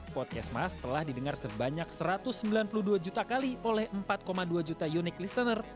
podcastmas telah didengar sebanyak satu ratus sembilan puluh dua juta kali oleh empat dua juta unik listener